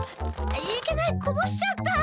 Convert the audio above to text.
いけないこぼしちゃった！